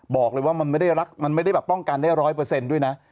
บอกเลยว่ามันไม่ได้ป้องกันได้๑๐๐ด้วยนะ